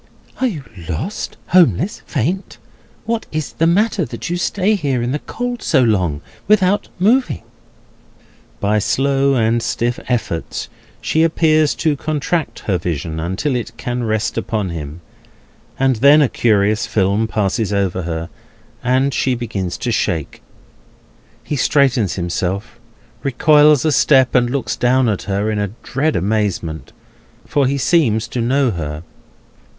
"Are you lost, homeless, faint? What is the matter, that you stay here in the cold so long, without moving?" By slow and stiff efforts, she appears to contract her vision until it can rest upon him; and then a curious film passes over her, and she begins to shake. He straightens himself, recoils a step, and looks down at her in a dread amazement; for he seems to know her.